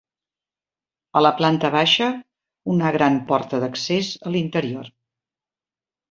A la planta baixa, una gran porta d'accés a l'interior.